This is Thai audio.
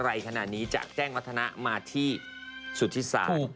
ใจขนาดนี้จากแจ้งวัฒนะมาที่สุทธิศาสตร์